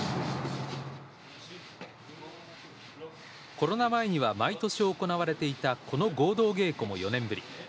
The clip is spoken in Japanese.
コロナ前には毎年行われていたこの合同稽古も４年ぶり。